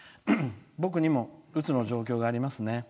僕にも、うつの状況はありますね。